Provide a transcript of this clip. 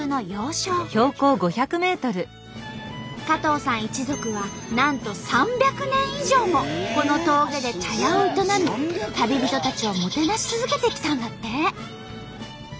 加藤さん一族はなんと３００年以上もこの峠で茶屋を営み旅人たちをもてなし続けてきたんだって。